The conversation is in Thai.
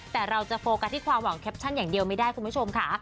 แต่เราจะโฟกัสที่ความหวังแคปชั่นอย่างเดียวไม่ได้คุณผู้ชมค่ะ